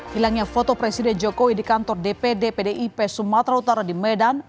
hilangnya foto presiden jokowi di kantor dpd pdip sumatera utara di medan